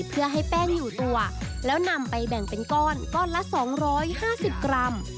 เพื่อให้แป้งอยู่ตัวแล้วนำไปแบ่งเป็นก้อนก้อนละ๒๕๐กรัม